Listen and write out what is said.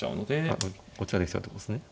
こっちができちゃうってことですね。